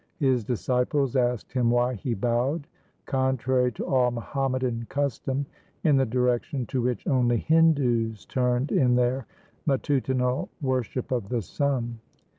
His disciples asked him why he bowed, contrary to all Muhammadan custom, in the direction to which only Hindus turned in their matutinal worship of the sun.